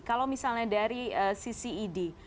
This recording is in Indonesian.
kalau misalnya dari cced